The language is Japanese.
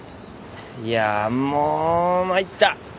いやもう参った。